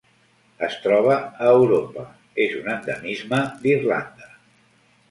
Es troba a Europa: és un endemisme d'Irlanda.